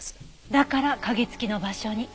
だから鍵付きの場所に？